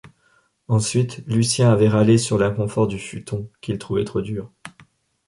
Ensuite, Lucien avait râlé sur l’inconfort du futon, qu’il trouvait trop dur.